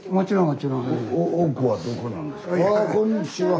わこんにちは。